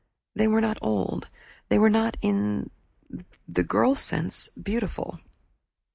They were not old. They were not, in the girl sense, beautiful.